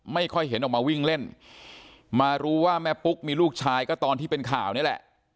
ไม่ค่อยเห็นออกมาวิ่งเล่นมารู้ว่าแม่ปุ๊กมีลูกชายก็ตอนที่เป็นข่าวนี่แหละ